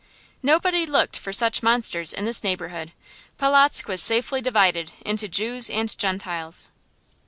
Nobody looked for such monsters in his neighborhood. Polotzk was safely divided into Jews and Gentiles.